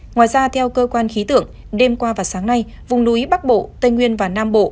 ngoài ra theo cơ quan khí tượng đêm qua và sáng nay vùng núi bắc bộ tây nguyên và nam bộ